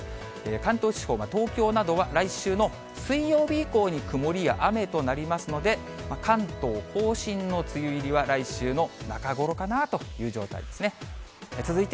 関東地方、東京などは来週の水曜日以降に曇りや雨となりますので、関東甲信の梅雨入りは、「ない！ない！